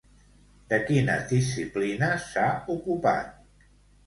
De quines disciplines s'ha ocupat?